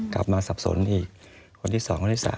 กลับมาสับสนอีกคนที่๒คนที่๓